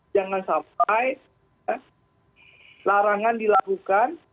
jangan sampai larangan dilakukan